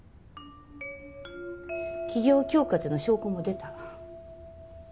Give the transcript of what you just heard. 企業恐喝の証拠も出た。